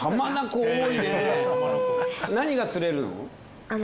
何が釣れるの？